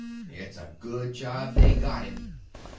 "It's a good job they got him."